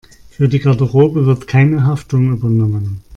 Für die Garderobe wird keine Haftung übernommen.